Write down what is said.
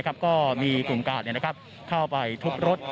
ก็มีกลุ่มกาดเข้าไปทุบรถ